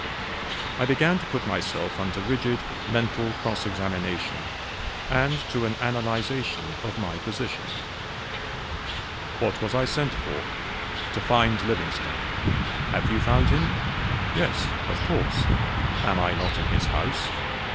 I began to put myself under rigid mental cross examination, and to an analyzation of my position. "What was I sent for?" "To find Livingstone." "Have you found him?" "Yes, of course; am I not in his house?